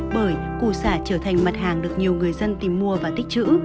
bởi củ xả trở thành mặt hàng được nhiều người dân tìm mua và tích trữ